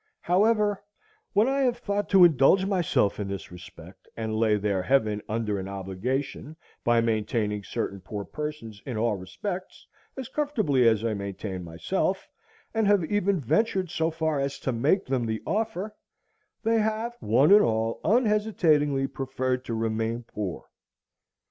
However, when I have thought to indulge myself in this respect, and lay their Heaven under an obligation by maintaining certain poor persons in all respects as comfortably as I maintain myself, and have even ventured so far as to make them the offer, they have one and all unhesitatingly preferred to remain poor.